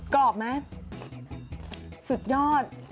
กรอบไหมสุดยอด